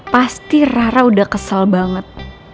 pasti rara udah kesal banget